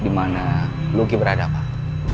dimana luki berada pak